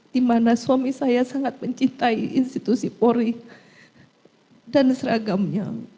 di mana suami saya sangat mencintai institusi polri dan seragamnya